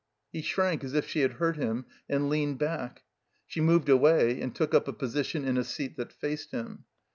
He shrank as if she had hurt him and leaned back. She moved away, and took up a position in a seat that faced him.